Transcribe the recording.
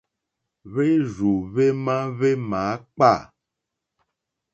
Hwérzù hwémá hwémǎkpâ.